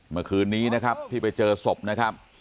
เมื่อคืนนี้นะครับที่ไปเจอศพนะครับ